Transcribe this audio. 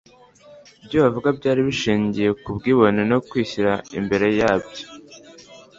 Ibyo bavugaga byari bishingiye ku bwibone no kwishyira imbere byabo